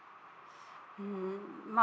うんまあ